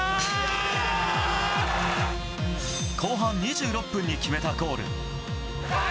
後半２６分に決めたゴール。